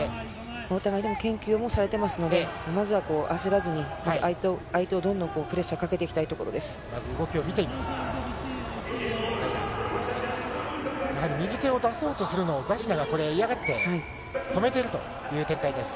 お互い研究されていますので焦らずに、相手をどんどんプレッシャーかけていきたいところです。